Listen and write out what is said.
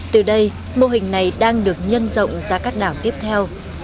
từ đây mô hình này đang được nhân rộng ra các đảo tiếp theo